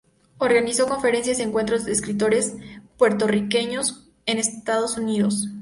Organizó conferencias y encuentros de escritores puertorriqueños en Estados Unidos.